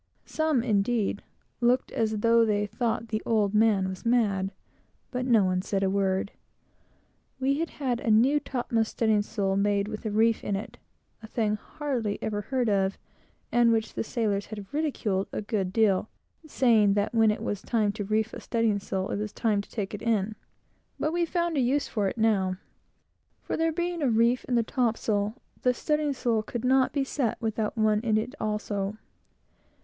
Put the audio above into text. Some, indeed, looked as though they thought the "old man" was mad, but no one said a word. We had had a new topmast studding sail made with a reef in it, a thing hardly ever heard of, and which the sailors had ridiculed a good deal, saying that when it was time to reef a studding sail, it was time to take it in. But we found a use for it now; for, there being a reef in the topsail, the studding sail could not be set without one in it also.